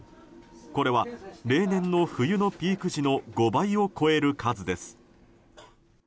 これは、例年の冬のピーク時の５倍を超える数です。